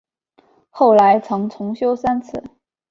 后来曾重修三次。